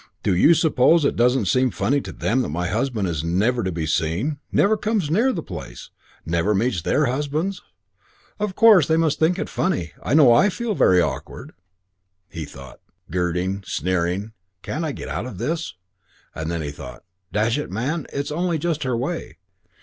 Do you suppose it doesn't seem funny to them that my husband is never to be seen, never comes near the place, never meets their husbands? Of course they must think it funny. I know I feel it very awkward." He thought, "Girding! Sneering! Can't I get out of this?" Then he thought, "Dash it, man, it's only just her way.